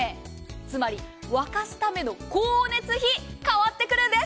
つまり沸かすための光熱費変わってくるんです。